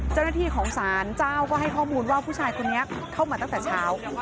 เจ้าหน้าที่ของสารเจ้าก็ให้ข้อมูลว่าผู้ชายคนนี้เข้ามาตั้งแต่เช้า